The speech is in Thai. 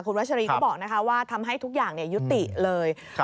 วัชรีก็บอกว่าทำให้ทุกอย่างยุติเลย